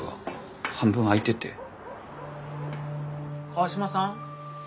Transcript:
川島さん？